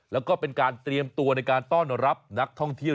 แล้วก็เป็นการเตรียมตัวในการต้อนรับนักท่องเที่ยว